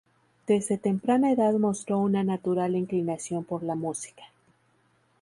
Desde temprana edad mostró una natural inclinación por la música.